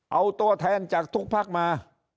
เอาตัวแทนจากทุกพักมา